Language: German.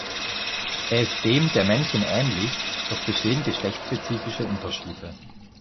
Er ist dem der Männchen ähnlich, doch bestehen geschlechtsspezifische Unterschiede.